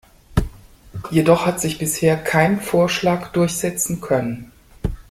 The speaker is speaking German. Jedoch hat sich bisher kein Vorschlag durchsetzen können.